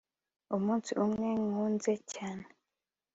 umunsi umwe nkuze cyane